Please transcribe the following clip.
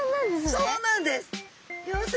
そうなんです。